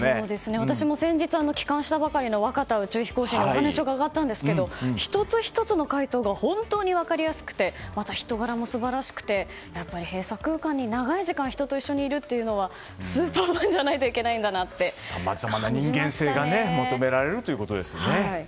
私も先日、帰還したばかりの若田宇宙飛行士にお話を伺ったんですが１つ１つの回答が本当に分かりやすくて人柄も素晴らしくて、閉鎖空間に長い時間人と一緒にいるというのはスーパーマンじゃないといけないんだなというのをさまざまな人間性が求められるということですね。